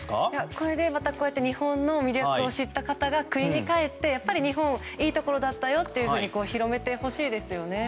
これで、こうやってまた日本の魅力を知った方が国に帰って、日本はやっぱりいいところだったよって広めてほしいですよね。